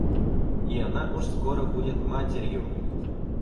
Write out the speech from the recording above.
И она уж скоро будет матерью!